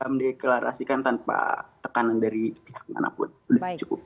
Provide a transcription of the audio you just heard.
mendeklarasikan tanpa tekanan dari pihak manapun